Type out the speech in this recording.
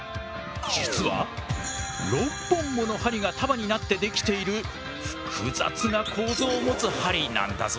実は６本もの針が束になってできている複雑な構造を持つ針なんだぞ。